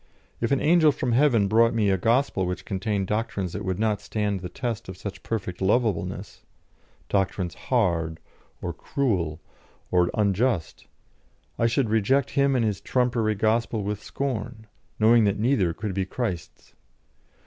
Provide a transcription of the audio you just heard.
If an angel from heaven brought me a gospel which contained doctrines that would not stand the test of such perfect lovableness doctrines hard, or cruel, or unjust I should reject him and his trumpery gospel with scorn, knowing that neither could be Christ's.